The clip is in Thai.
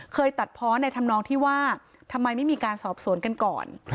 ตัดเพาะในธรรมนองที่ว่าทำไมไม่มีการสอบสวนกันก่อน